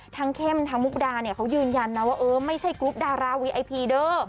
เข้มทั้งมุกดาเนี่ยเขายืนยันนะว่าเออไม่ใช่กรุ๊ปดาราวีไอพีเด้อ